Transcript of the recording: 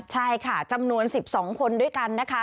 ใช่ค่ะจำนวน๑๒คนด้วยกันนะคะ